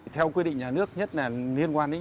theo quy định nhà nước nhất là liên quan đến